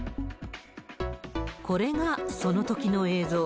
これがそのときの映像。